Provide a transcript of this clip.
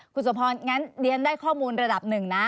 คุณสมพรงั้นเรียนได้ข้อมูลระดับหนึ่งนะ